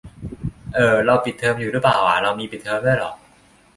เอ่อ เราปิดเทอมอยู่รึเปล่าอ่ะ เรามีปิดเทอมด้วยเหรอ ?